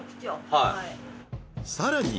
はい。